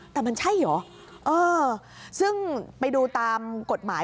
แต่มันใช่เหรอเออซึ่งไปดูตามกฎหมาย